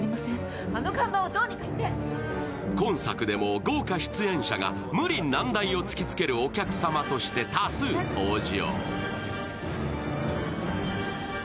今作でも豪華な出演者が無理難題を突きつけるお客様として多数登場。